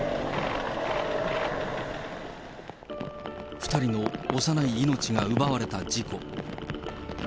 ２人の幼い命が奪われた事故。